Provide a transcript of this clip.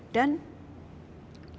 dan kecepatan yang penting